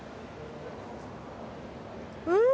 うん！